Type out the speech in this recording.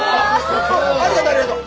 ありがとうありがとう。